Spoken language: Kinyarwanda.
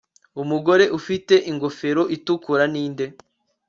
Umugore ufite ingofero itukura ninde